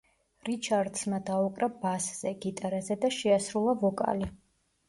რიჩარდსმა დაუკრა ბასზე, გიტარაზე და შეასრულა, ვოკალი.